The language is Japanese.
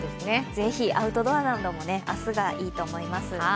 是非、アウトドアなども明日がいいと思います。